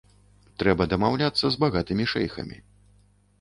Трэба дамаўляцца з багатымі шэйхамі.